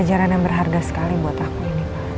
ajaran yang berharga sekali buat aku ini pak